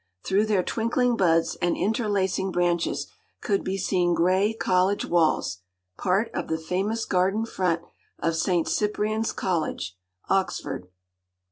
Through their twinkling buds and interlacing branches could be seen grey college walls—part of the famous garden front of St. Cyprian’s College, Oxford.